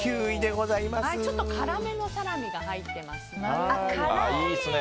ちょっと辛めのサラミが入ってますね。